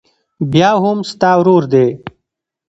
بيا هم ستا ورور دى.